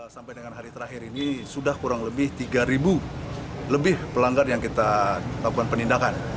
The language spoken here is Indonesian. sampai dengan hari terakhir ini sudah kurang lebih tiga lebih pelanggar yang kita lakukan penindakan